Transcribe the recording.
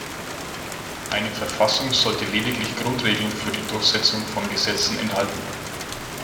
Eine Verfassung sollte lediglich Grundregeln für die Durchsetzung von Gesetzen enthalten.